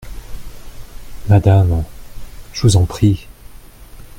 Madame !… je vous en prie !…